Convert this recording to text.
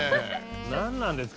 何なんですか？